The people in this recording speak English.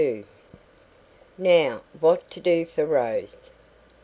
Now, what to do for Rose.